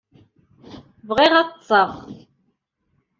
Iqemmer akk idrimen-nni.